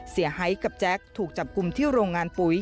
เสียหายกับแจ๊คถูกจับกุมที่โรงงานปุ๋ย